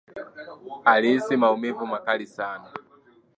Alihisi maumivu makali sana